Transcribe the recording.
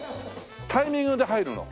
タイミングで入るの？